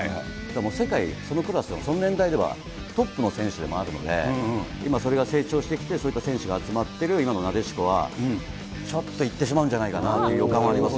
もう世界、そのクラスではその年代ではトップの選手でもあるので、今それが成長してきて、そういった選手が集まってる今のなでしこは、ちょっといってしまうんじゃないかなという予感はありますね。